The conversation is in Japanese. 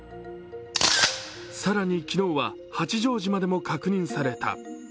更に昨日は八丈島でも確認された。